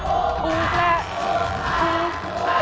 โอแจโอแจโอแจ